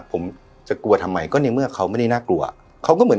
ผมจะกลัวทำไมก็ในเมื่อเขาไม่ได้น่ากลัวเขาก็เหมือน